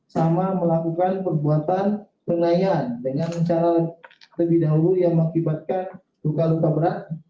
sama melakukan perbuatan pengaihan dengan cara lebih dahulu yang mengakibatkan luka luka berat